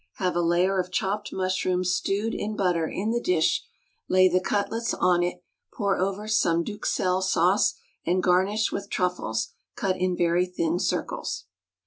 Have a layer of chopped mushrooms stewed in butter in the dish, lay the cutlets on it, pour over some d'Uxelles sauce, and garnish with truffles, cut in very thin circles.